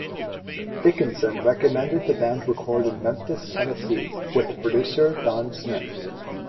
Dickinson recommended the band record in Memphis, Tennessee, with producer Don Smith.